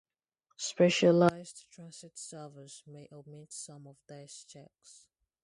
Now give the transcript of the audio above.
Specialized transit servers may omit some of these checks.